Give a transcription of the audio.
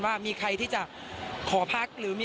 อ่าา